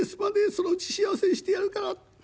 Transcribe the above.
そのうち幸せにしてやるから』。